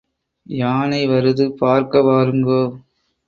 யானை வருது பார்க்க வாருங்கோ.